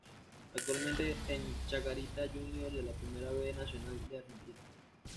Actualmente en Chacarita Juniors de la Primera B Nacional de Argentina.